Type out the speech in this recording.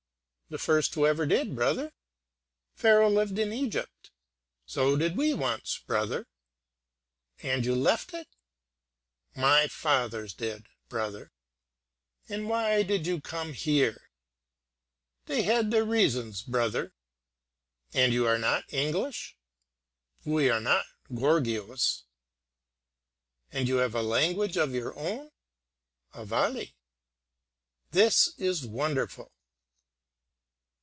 "The first who ever did, brother." "Pharaoh lived in Egypt." "So did we once, brother." "And you left it?" "My fathers did, brother." "And why did they come here?" "They had their reasons, brother." "And you are not English?" "We are not gorgios." "And you have a language of your own?" "Avali." "This is wonderful."